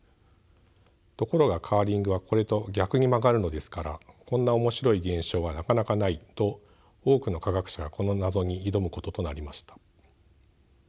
ところがカーリングはこれと逆に曲がるのですからこんな面白い現象はなかなかないと多くの科学者がこの謎に挑むこととなりました。